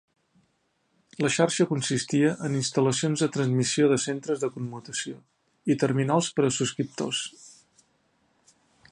La xarxa consistia en instal·lacions de transmissió de centres de commutació i terminals per a subscriptors.